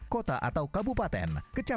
kota atau kabupaten